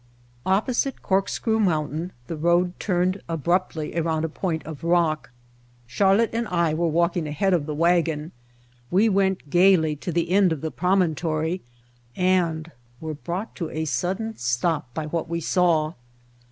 Opposite Corkscrew Mountain the road turned abruptly around a point of rock. Char lotte and I were walking ahead of the wagon, we went gayly to the end of the promontory and were brought to a sudden stop by what we saw.